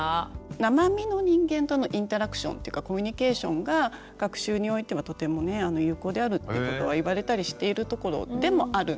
生身の人間とのインタラクションというかコミュニケーションが学習においてはとてもね有効であるってことは言われたりしているところでもあるんですよね。